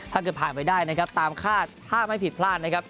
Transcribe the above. ถ้าเกิดผ่านไปได้นะครับตามคาดถ้าไม่ผิดพลาดนะครับ